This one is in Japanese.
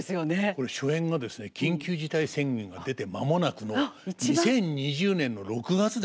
これ初演がですね緊急事態宣言が出て間もなくの２０２０年の６月ですから。